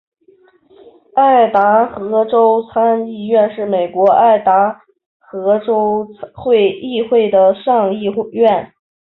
爱达荷州参议院是美国爱达荷州议会的上议院。